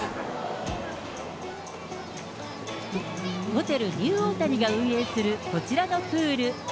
ホテルニューオータニが運営する、こちらのプール。